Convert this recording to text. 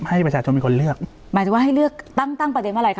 ให้ประชาชนเป็นคนเลือกหมายถึงว่าให้เลือกตั้งตั้งประเด็นว่าอะไรค